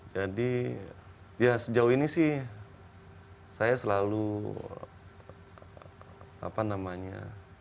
jadi ya sejauh ini sih saya selalu apa namanya